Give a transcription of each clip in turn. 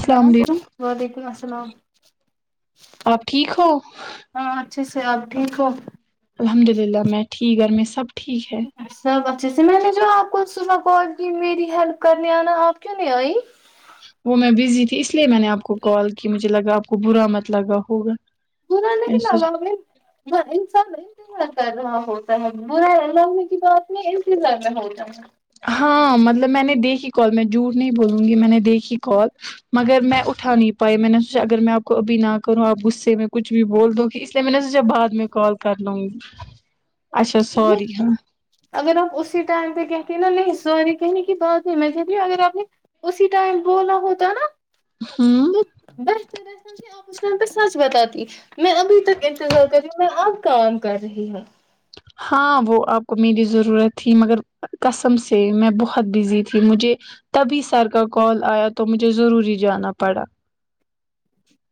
hello السلام علیکم وعلیکم السلام آپ ٹھیک ہو ہاں اچھے سے آپ ٹھیک ہو الحمد للہ میں ٹھیک گ ا میں سب ٹھیک ہے سا بس جیسے میں نے جو آپ کو صبح کال کی میری ہیلپ کرنے آنا آپ کیوں نہیں آئی وہ میں بزی تھی اس لیے میں نے آپ کو کال کی مجھے لگا آپ کو برا مت لگا ہوگا گناہ میں نے نہیں لاگا سوچا ب انسان نہیں ہو ہاں ہوتا ہے مر لگنا کی بت میںسیز لگنا ہوتا ہے م ہاں مطلب میں نے دیکھی کال میں جھوٹ نہیں بولوں گی میں نے دیکھی کال مگر میں اٹھا نہیں پائی میں نے سوچا اگر میں آپ کو ابھی نہ کروں آپ غصے میں کچھ بھی بول دو گی اس لیے میں نے سوچا بعد میں کال کر لوں گی اچھا سوری نہیں ہاں اگر آپ اسی ٹائم پہ کہتے ہیں نا نہیں سوری کہنے کی بات ہے میں کہتی ہوں اگر آپ نے اسی ٹائم بولا ہوتا ہے نا ہاں ٹم پہ سچ بتاتی میں ابھی تک انتظار کر رہی ہوں میں اب کام کر رہی ہوں ہاں وہ آپ کو میری ضرورت تھی مگر کسم سے میں بہت بزی تھی مجھے تبھی سر کا کال آیا تو مجھے ضروری جانا پڑا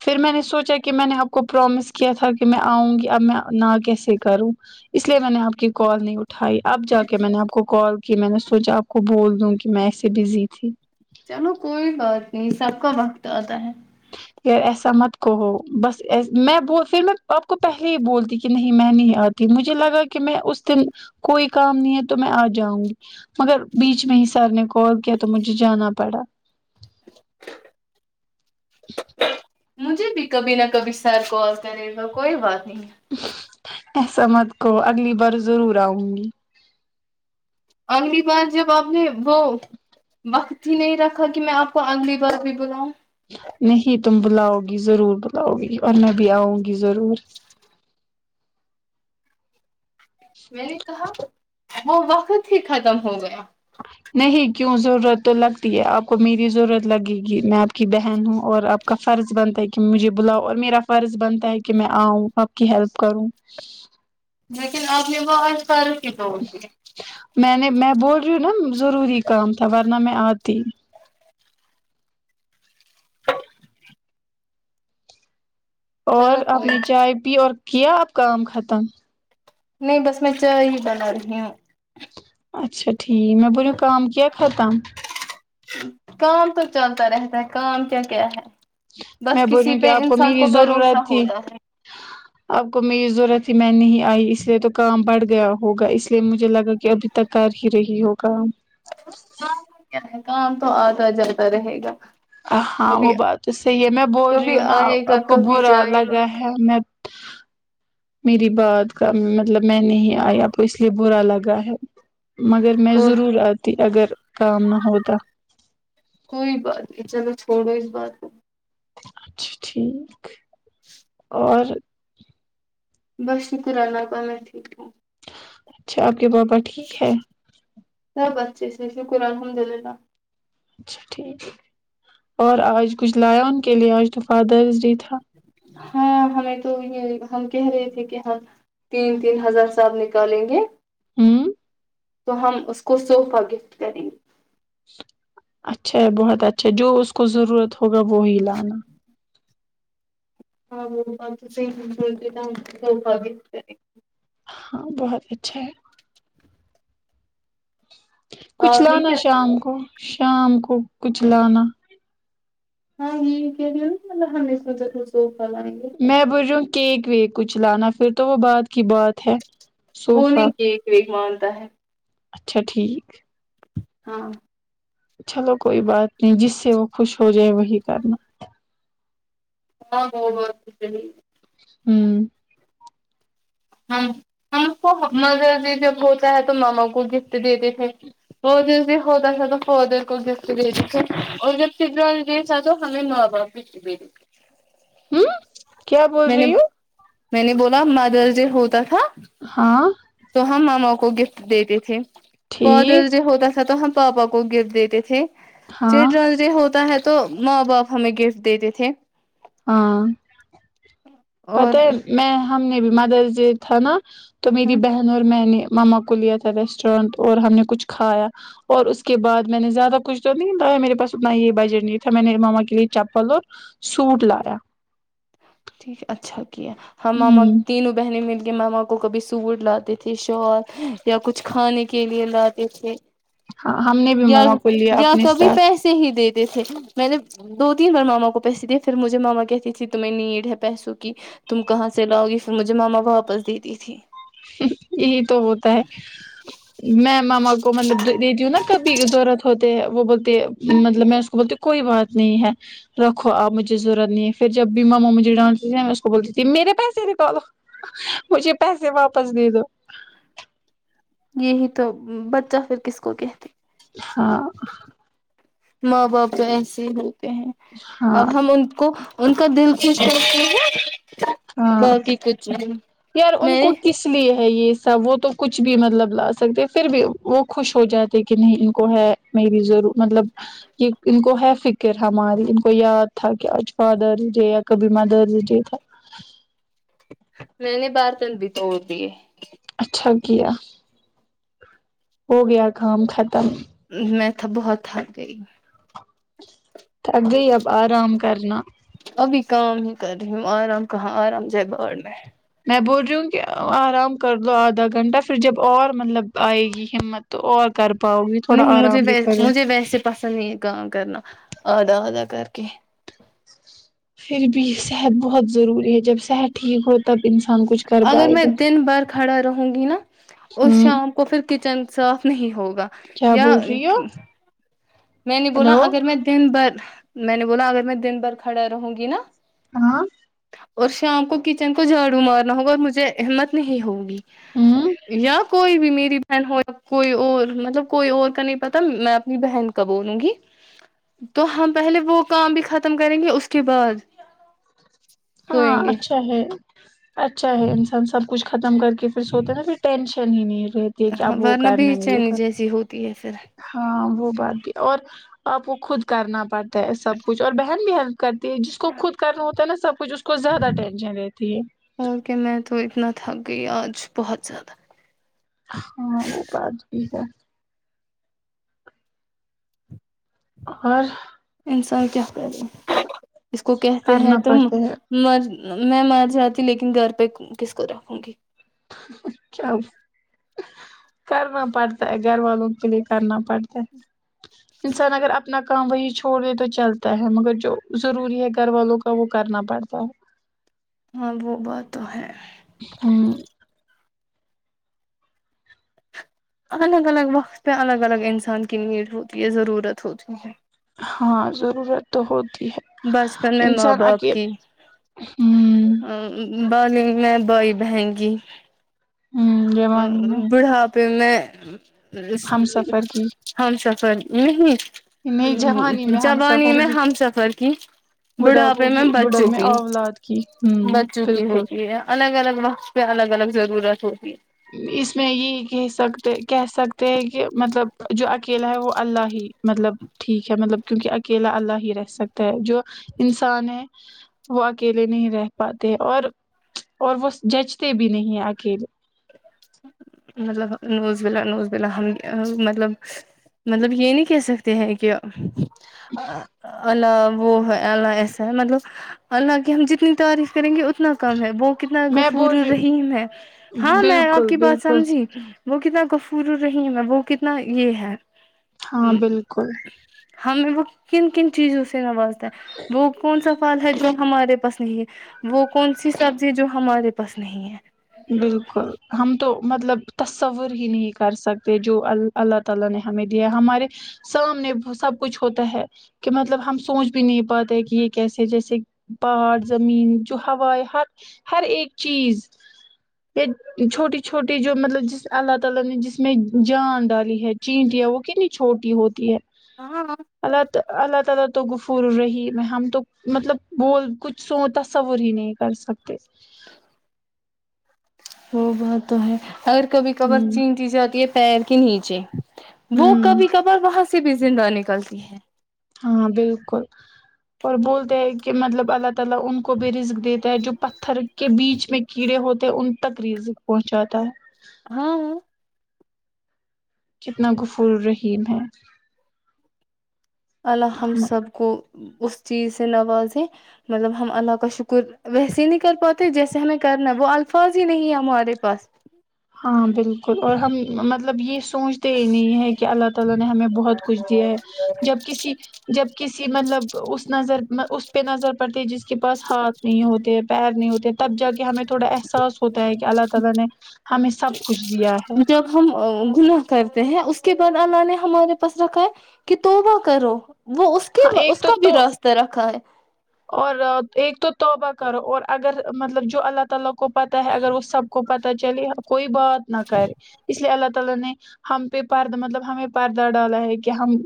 پھر میں نے سوچا کہ میں نے کو پرومس کیا تھا کہ میں آؤں گی اب میں نہ کیسے کروں اس لیے میں نے آپ کی کال نہیں اٹھائی اب جا کے میں نے آپ کو کال کی میں نے سوچا آپ کو بول دوں کہ میں ایسے بزی تھی چلو کوئی بات نہیں سب کا وقت آتا ہے یار ایسا مت کوو بس میں ب پھر میں آپ کو پہلے ہی بولتی کہ نہیں میں نہیں آتی مجھے لگا کہ میں اس دن کوئی کام نہیں ہے تو میں آ جاؤں گی مگر بیچ میں ہی سر نے کال کیا تو مجھے جانا پڑا [inaudible] مجھے بھی کبھی نہ کبھی سر کال کرے گا کوئی بات نہیں [inaudible] ایسا مت کو اگلی بار ضرور آؤں گی اگلی بار جب آپ نے وہ وقت ہی نہیں رکھا کہ میں آپ کو اگلی بار بھی بلاؤں نہیں تم بلاؤ گی ضرور بلاؤ گی اور میں بھی آؤں گی ضرور میں نے کہا وہ وقت ہی ختم ہو گیا نہیں کیوں ضرورت تو لگتی ہے آپ کو میری ضرورت لگے گی میں آپ کی بہن ہوں اور آپ کا فرض بنتا ہے کہ مجھے بلاؤ اور میرا فرض بنتا ہے کہ میں آؤں آپ کی ہیلپ کروں لیکن آپ نے وہ آج کل جوک میں نے میں بول رہی ہوں نا ضروری کام تھا ورنہ میں آتی اور چلو آپ کوئی نے چائے پی اور کیا آپ کام ختم نہیں بس میں چائے ہی بنا رہی ہوں اچھا ٹھیک میں بریو کام کیا ختم کام تو چلتا رہتا ہے کام کیا کیا ہے بس میں کسی بولیوں کہ پہ آپ کو انسان میری بھروسہ ضرورت تھی ہوتا ہے آپ کو میری ضرورت ہی میں نہیں آئی اس لیے تو کام بڑھ گیا ہوگا اس لیے مجھے لگا کہ ابھی تک کر ہی رہی ہو کام کام کیا ہے کام تو آتا جرتا رہے گا ہاں وہ بات تو صحیح ہے میں بول رہی کبھی ہوں نا آئے گا آپ کو کبھی برا جائے گا لگا ہے میں میری بات کا مطلب میں نہیں آیا کو اس لیے برا لگا ہے مگر میں کو ضرور آتی اگر کام نہ ہوتا پڑو اس بات کو اچھا ٹھیک [inaudible] اور بس شکر اللہ تالہ ٹھیک اچھا کہ بابا ٹھیک ہے سب اچھے سے شکر الحمد للہ اچھا ٹھیک اور آج کچھ لایا ان کے لیے آج تو فادرس ڈے تھا [unintelligible] ہاں ہمیں تو یہ ہم کہہ رہے تھے کہ ہم تین تین ہزار سب نکالیں گے [inaudible] تو ہم اس کو صوفہ گفٹ کریں گے اچھا بہت اچھا جو اس کو ضرورت ہو ہوگا وہ ہی لانا ہاں وہتے ہمکا بھی ہاں بہت اچھا ہے کچھ آپ نے لانا کیا شام کو شام کو کچ لانا ہاں یہ کہ ہ ہمتا توسو میں بوجو کیک ویک کچھ لانا پھر تو وہ بعات کی بات ہے وہ صوفہ نہیں کیک رمان تا ہے اچھا ٹھیک ہاں چلو کوئی بات نہیں جس سے وہ خوش ہو جائے وہی کرنا ہاں وہ بت صحی ہے ہوں ہم ہم کو مدرسی جب ہوتا ہے تو ماما کو گفٹ دیتے تھے مدر جی ہوتا تھا تو فادر کو گفٹ دیتے تھے اور جب فی تھا تو ہمیں ن دے دیتے ہوں کیا بول میں نے رہی ہوں میں نے بولا مادر ج ہوتا ہاں ہاں تو ہم ماما کو گفٹ دیتے تھے بدر ٹھیک ج جو ہوتا س تو ہم پاپا کو گفٹ دیتے تھے ج ہاں ڈرل ج ہوتا ہے تو تو ماں باپ ہمیں گفٹ دیتے تھے ہاں پت ہے اور میں ہم بیما درج تھا نا تو میری بہن اور میں نے ماما کو لیا تھا ریسٹورینٹ اور ہم نے کچھ کھایا اور اس کے بعد میں نے زیادہ کچھ تو نہیں لایا میرے پاس اتنا یہ بجٹ نہیں تھا میں نے ماما کے لیے چپل اور سٹ لایا ٹھیک ہے اچھا کیا ہ ماما ہوں تینوں بہنی مل کہ ماما کو کبھی سوٹ لاتے تھے شال یا کچھ کھانے کے لیے لاتے تھے ہم نے بھی یا ماما کو لیا یا اپنے کبھی ساتھ پیسے ہی دیتے تھے میں نے دو تین بار ماما کو پیسے دیے پ مجھے ماما کہتی تھی تم میں نیٹ پیسوں کی تم کہاں سے لاؤ گی پھر مجھے ماما واپس دیتی تھی یہ تو ہوتا ہے میں ماما کو مطلب دیتی ہوں نا کبھی ضرورت ہوتے ہے وہ بولتے مطلب میں اس کو بولتی کوئی بات نہیں ہے رکھو آپ مجھے ضرورت نہیں ہے پھر جب بھی ماما مجھے ڈانس دیتے میں اس کو بولتی تھی میرے پیسے نکالو مجھے پیسے واپ پس د دو یہی تو بچہ پھر کس کو کہتی ہاں م بپ ج ایسی ہیں اب ہاں ہم ان کو ان کا دل کس کرتے ہے ہاں باقٹیک جی یار ان کو کس لیے ہے یہ سب وہ تو کچھ بھی مطلب لا سکتے پھر بھی وہ خوش ہو جاتے کہ نہیں ان کو ہے میری ضرور مطلب یہ ان کو ہے فکر ہماری ان کو یاد تھا کہ آج فادرس ڈے یا کبھی مدرس ڈے تھا میں نے بار تند بھی توڑ دیے اچھا گیا ہو گیا کام ختم میں تھا بہت تھک گئی تھک گئی اب آرام کرنا ابھی کام ہی کر رہی ہوں آرام کہاں آرام جائے باور میں میں بول رہی ہوں کہ آرام کر لو آدھا گھنٹہ پھر جب اور مطلب آئے گی ہمت تو اور کر پاؤ گی تھوڑا نہیں مجھے آرام بھی و کرو مجھے ویسے پسند نہیں ہے کام کرنا ادا ادا کر کے پھر بھی صحت بہت ضروری ہے جب شحت اگر میں دن بھر کھڑا رہوں گی نا اس ہوں شام کو پھر کچن صاف نہیں ہوگ و کیا یا بول رہی ہو میں نے بولا ہیلو اگر میں دن بھر میں نے بولا اگر میں دن بھر کھڑا رہوں گی نا ہاں اور شام کو کچن کو جھاڑو مارنا ہوگا اور مجھے احمت نہیں ہوگی ہوں یا کوئی بھی میری بہن ہو کوئی اور مطلب کوئی اور کا نہیں پتا میں اپنی بہن بولوں گی تو ہم پہلے وہ کام بھی ختم کریں گے اس کے بعد ہاں سوئیں گے اچھا ہے اچھا ہے انسان سب کچھ ختم کر ھر سوچتےا پھر ینشن تن نہیں رہتی ہے کہ اب وہ ورنہ کرنا بے ہے یہ چینی کر جیسی ہوتی ہے پھر ہاں وہ پاتی اور آپ کو خود کرنا پڑتی سب کچھ اور بہن بھیہن کرتی ہے جس کو خود کرنا ہوتا ہے نا سب اس کو زیادہ ٹینشن رہتی ہے اور کہ میں تو اتنا تھک گئی آج بہت زیادہ ہاں وہ بات بھی ہے اور انسان کی کرے اس کو کہتے ہیں کرنا تو پڑتا ہے مر میں مار جاتی لیکن گھر پہ کس کو رکھوں گی کیا کرنا پڑتا ہے گھر والوں کے لیے کرنا پڑتا ہے انسان اگر آپ اپنا کام وہی چھوڑ دے تو چلتا ہے مگر جو ضروری ہے گھر والوں کا وہ کرنا پڑتا ہے ہاں وہ بات تو ہے ہوں الگ الگ وقت پہ الگ الگ انسان کی نیڈ ہوتی ہے ضرورت ہوتی ہے ہاں ضرورت تو ہوہ بچپن میں ماں باپ کی ہ ا بال میں بائی بہن گی ہ ا جوانی میں بڑھا پھر ہم سفر کی سا نہیں نہیں جوانی میں ہم جبانی سفر میں کی ہم سفر بڑھاپے میں کی بڑھاپ بچوں میں کی اولاد کی ہ بچوں کی بالکل ہوتی ہے الگ الگ وقت پہ الگ الگ الگ ضرورت ہوگ ہے اس میں یہ کہہ سکتے کہہ سکتے ہیں کہ مطلب جو اکیلا ہے وہ اللہ ہی مطلب ٹھیک ہے مطلب کیونکہ اکیلا اللہ ہی رہ سکتا ہے جو انسان ہے وہ اکیلے نہیں رہ پاتے اور اور وہ جچتے بھی نہیں ہیں اکیلے مطلب نوز بلا نوز بلا ہم مطلب مطلب یہ نہیں کہہ سکتے ہیں کہ ال وہ ہے اللہ ایسا ہے مطلب اللہ کی ہم جتنی تعریف کریں گے تنا کم ہے وہ کتنا میں غفور بول رہی الرحیم ہے ہاں میں آپ بالکل کہ بالکل سمجی وہ کتاب کفور الرحیم ہے وہ کتنا یہ ہے ہاں بالکل [inaudible] ہمیں وہ کن کن چیزوں سے نواز ہے وہ کون سا فال ہے جو ہمارے پاس نہیں ہے وہ کون سی سبزی ہے جو ہمارے پاس نہیں ہے بالکل ہم تو مطلب تصور ہی نہیں کر سکتے جو اللہ تعالی نے ہمیں دیا ہے ہمارے سب ہم نے سب کچھ ہوتا ہے کہ مطلب ہم سوچ بھی نہیں پاتے کہ یہ کیسے جیسے باہر زمین جو ہوائے حق ہر ایک چیز چھوٹی چھوٹی جو مطلب اللہ تعالی نے جس میں جان ڈالی ہے چینٹ یا وہ کتنی چھوٹی ہوتی ہے ہاں اللہ تعالی تو گفور رہی میں ہم تو مطلب بول کچھ سو تصور ہی نہیں کر سکتے وہ بہت تو ہے اگر کبھی کبار ہوں چین چیز جاتی ہے پیر کے نیچے وہ ہوں کبھی کبار وہاں سے سے بزندہ نکلتی ہے [unintelligible] ہاں بالکل اور بولتے ہیں کہ مطلب اللہ [unintelligible] مطلب ان کو بھی رسک دیتا ہے جو [unintelligible] پتھر کے بیچ میں کیڑے ہوتے ہیں ان تک ریزک پہنچاتا ہے [unintelligible] ہاں ہاں [unintelligible] کتنا گف الرحیم ہے [unintelligible] ال ہم سب کو اس [unintelligible] چیز سے نوازیں مطلب ہم اللہ کا شکر ویسے ہی نہیں کر پاتے جیسے ہمیں کرنا ہے وہ الفاظ ہی نہیں ہے ہمارے پاس [unintelligible] ہاں بالکل اور ہم مطلب یہ [unintelligible] پہنچتے ہی نہیں ہے کہ اللہ تعالی نے ہمیں بہت کچھ دیا ہے جب کسی جب کسی مطلب اس نظر اس پہ نظر پڑتی ہے جس [unintelligible] اس کے پاس ہاتھ نہیں ہوتے پیر [unintelligible] نہیں ہوتے تب جا کے ہمیں تھوڑا احساس ہوتا ہے کہ اللہ تعالی نے [unintelligible] کچھ دیا ہے جب ہم گناہ کرتے ہیں اس [unintelligible] اس کے بعد اللہ نے ہمارے پاس رکھا ہے کہ تو وہ کرو [unintelligible] وہ اس کے ہاں ایک اس تو کا بھی تو راستہ رکھا ہے اور ایک تو [unintelligible] توبہ کرو اور اگر مطلب جو اللہ تعالی کو پتا ہے اگر اس سب کو پتا تو چلیے [unintelligible] کوئی بات نہ کرے اس لیے اللہ ت نے ہم پہ مطلب ہمیں پردہ ڈالا ہے کہ ہم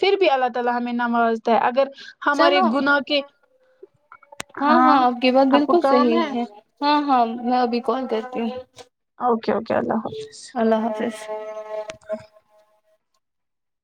پھر بھی [unintelligible] اللہ میں نماز د ہے اگر [unintelligible] چلو گناہ کے ہاں ہاں آپ کی بات آپ کو بالکل کام صحیح ہے ہاں ہاں [unintelligible] میں ابھی کون کرتی ہ [unintelligible] اوکے اوکے اللہ حافظ اللہ حافظ [inaudible]